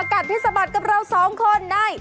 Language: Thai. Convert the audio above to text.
กัดให้สะบัดกับเราสองคนใน